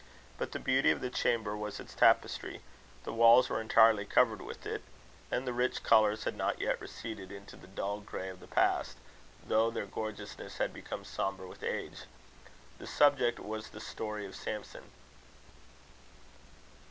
But the beauty of the chamber was its tapestry. The walls were entirely covered with it, and the rich colours had not yet receded into the dull grey of the past, though their gorgeousness had become sombre with age. The subject was the story of Samson.